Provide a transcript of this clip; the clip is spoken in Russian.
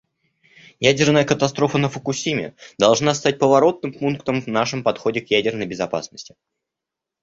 Ядерная катастрофа на Фукусиме должна стать поворотным пунктом в нашем подходе к ядерной безопасности.